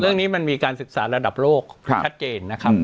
เรื่องนี้มันมีการศึกษาระดับโลกชัดเจนนะครับ